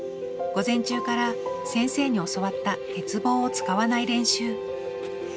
午前中から先生に教わった鉄棒を使わない練習。